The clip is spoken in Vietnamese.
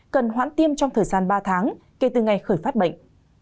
cần hoãn tiêm trong thời gian ba tháng kể từ ngày khởi phát bệnh